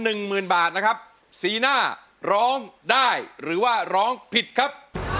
หนึ่งหมื่นบาทนะครับสีหน้าร้องได้หรือว่าร้องผิดครับ